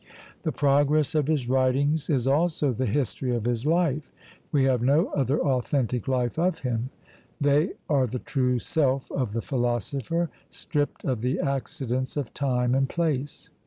The progress of his writings is also the history of his life; we have no other authentic life of him. They are the true self of the philosopher, stripped of the accidents of time and place.